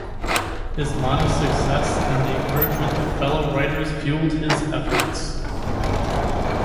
His modest success and the encouragement of fellow writers fueled his efforts.